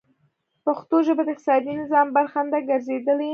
پښتو ژبه د اقتصادي نظام برخه نه ده ګرځېدلې.